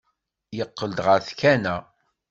Yeqqel-d ɣer tkanna.